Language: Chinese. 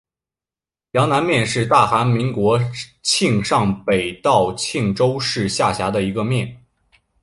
阳南面是大韩民国庆尚北道庆州市下辖的一个面。